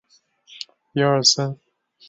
南印度人。